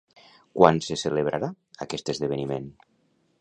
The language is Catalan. Quan se celebrarà aquest esdeveniment?